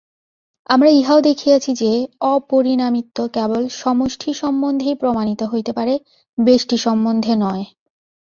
আমরা ইহাও দেখিয়াছি যে, অপরিণামিত্ব কেবল সমষ্টি-সম্বন্ধেই প্রমাণিত হইতে পারে, ব্যষ্টি-সম্বন্ধে নয়।